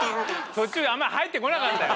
途中あんま入ってこなかったよ。